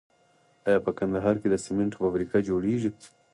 آیا په کندهار کې د سمنټو فابریکه جوړیږي؟